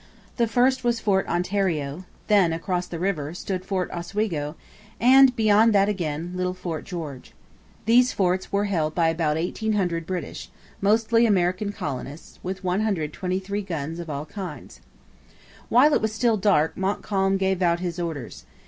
The first was Fort Ontario; then, across the river, stood Fort Oswego; and, beyond that again, little Fort George. These forts were held by about 1,800 British, mostly American colonists, with 123 guns of all kinds. While it was still dark Montcalm gave out his orders.